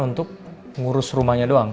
untuk ngurus rumahnya doang